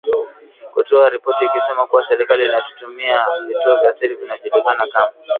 kutoa ripoti ikisema kuwa serikali inatumia vituo vya siri vinavyojulikana kama